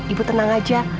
ibu tenang aja